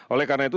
oleh karena itu